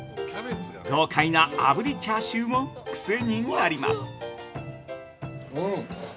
豪快な炙りチャーシューも癖になります。